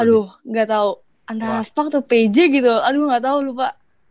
aduh gak tau antara aspak atau pj gitu aduh gak tau lupa